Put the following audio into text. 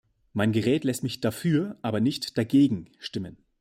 Mein Gerät lässt mich "dafür", aber nicht "dagegen" stimmen.